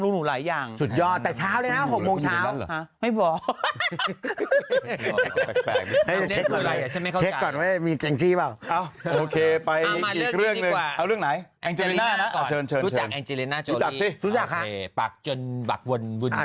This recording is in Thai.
รู้จักอังเจรนาโจริรู้จักสิรู้จักค่ะโอเคปากจนบักวนวุ่นอ่า